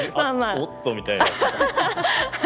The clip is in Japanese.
おっとみたいな。